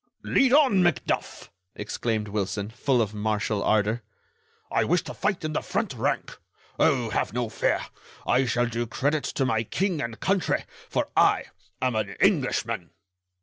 "Lead on, Macduff!" exclaimed Wilson, full of martial ardor. "I wish to fight in the front rank. Oh! have no fear. I shall do credit to my King and country, for I am an Englishman."